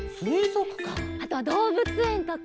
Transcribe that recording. あとはどうぶつえんとか。